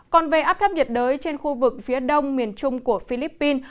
còn về áp thấp nhiệt đới trên khu vực phía đông miền trung của philippines